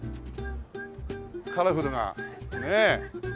カラフルなねえ。